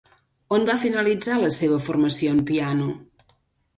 On va finalitzar la seva formació en piano?